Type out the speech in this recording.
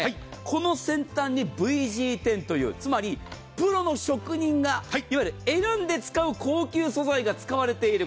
この先端にＶＧ１０というつまり、プロの職人がいわゆる選んで使う高級素材が使われている。